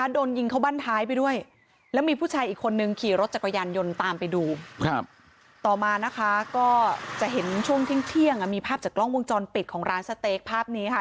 ดังนี้คือภาพจากกล้องวงจรปีดบ้านหลังนึงค่ะ